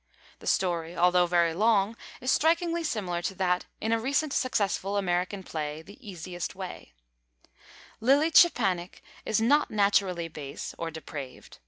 The story, although very long, is strikingly similar to that in a recent successful American play, The Easiest Way. Lilly Czepanek is not naturally base or depraved.